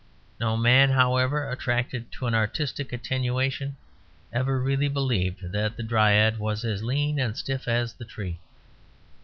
No man, however attracted to an artistic attenuation, ever really believed that the Dryad was as lean and stiff as the tree.